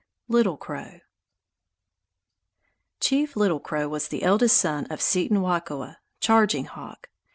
LITTLE CROW Chief Little Crow was the eldest son of Cetanwakuwa (Charging Hawk).